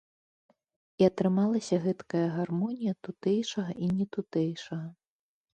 І атрымалася гэткая гармонія тутэйшага і нетутэйшага.